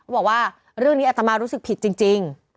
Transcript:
บอกว่าเรื่องนี้อัตมารู้สึกผิดจริง